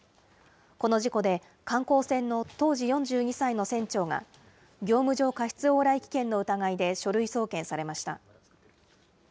この事故で観光船の当時４２歳の船長が業務上過失往来危険の疑いで書類送検されました。